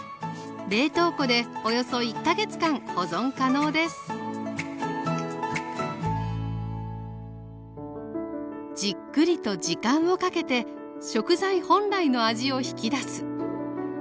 冷凍庫でおよそ１か月間保存可能ですじっくりと時間をかけて食材本来の味を引き出す。